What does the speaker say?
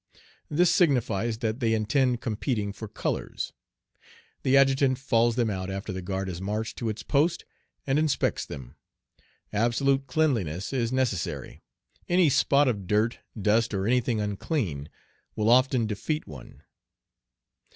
This signifies that they intend competing for "colors." The adjutant falls them out after the guard has marched to its post, and inspects them. Absolute cleanliness is necessary. Any spot of dirt, dust, or any thing unclean will often defeat one.